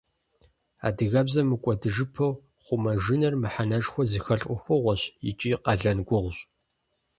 Адыгэбзэр мыкӀуэдыжыпэу хъумэжыныр мыхьэнэшхуэ зыхэлъ Ӏуэхугъуэщ икӀи къалэн гугъущ.